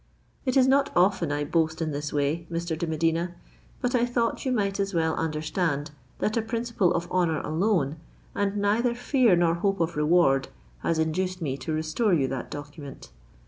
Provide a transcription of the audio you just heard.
It is not often I boast in this way, Mr. de Medina; but I thought you might as well understand that a principle of honour alone, and neither fear nor hope of reward, has induced me to restore you that document.